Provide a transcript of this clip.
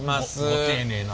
ご丁寧な。